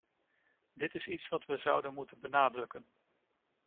Dit is iets dat wij zouden moeten benadrukken.